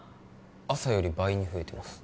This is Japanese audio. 朝より倍に増えてます